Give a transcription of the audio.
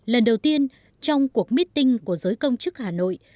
lần đầu tiên trong cuộc meeting của giới công chức hà nội